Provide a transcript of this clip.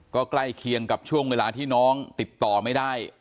ก็ใกล้เคียงกับช่วงเวลาที่น้องติดต่อไม่ได้